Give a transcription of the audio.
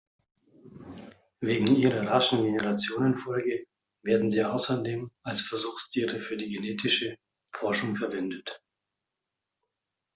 Wegen ihrer raschen Generationenfolge werden sie außerdem als Versuchstiere für die genetische Forschung verwendet.